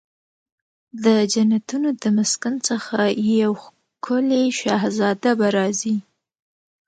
د جنتونو د مسکن څخه یو ښکلې شهزاده به راځي